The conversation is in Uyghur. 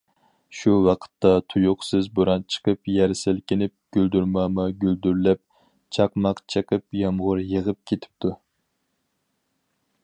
شۇ ۋاقىتتا تۇيۇقسىز بوران چىقىپ، يەر سىلكىنىپ، گۈلدۈرماما گۈلدۈرلەپ، چاقماق چېقىپ يامغۇر يېغىپ كېتىپتۇ.